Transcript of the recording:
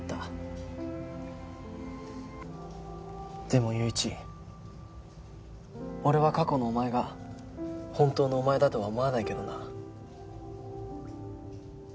でも友一俺は過去のお前が本当のお前だとは思わないけどな。